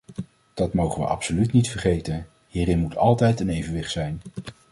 Dat mogen we absoluut niet vergeten; hierin moet altijd een evenwicht zijn.